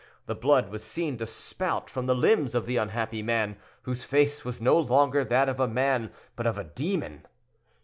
The blood was seen to spout from the limbs of the unhappy man, whose face was no longer that of a man but of a demon.